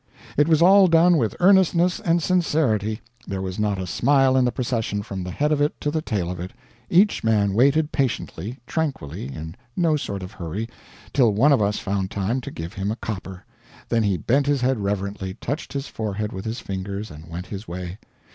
It was all done with earnestness and sincerity, there was not a smile in the procession from the head of it to the tail of it. Each man waited patiently, tranquilly, in no sort of hurry, till one of us found time to give him a copper, then he bent his head reverently, touched his forehead with his fingers, and went his way.